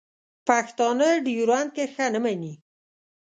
پښتانه ډیورنډ کرښه نه مني.